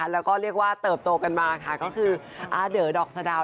แล้วก็เรียกว่าเติบโตกันมาค่ะก็คืออาเดอดอกสะดาว